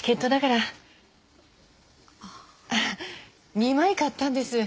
２枚買ったんです。